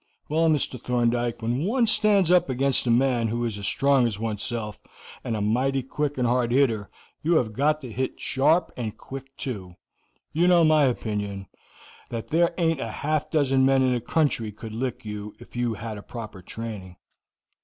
"Well, Mr. Thorndyke, when one stands up against a man who is as strong as one's self, and a mighty quick and hard hitter, you have got to hit sharp and quick too. You know my opinion, that there aint half a dozen men in the country could lick you if you had a proper training."